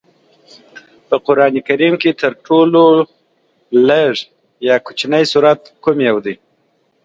په قرآن کریم کې تر ټولو لوږد سورت کوم یو دی؟